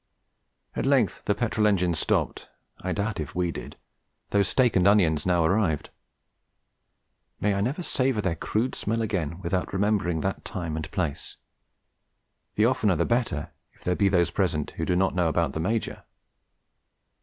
At length the petrol engine stopped; I doubt if we did, though steak and onions now arrived. May I never savour their crude smell again without remembering that time and place; the oftener the better, if there be those present who do not know about the Major.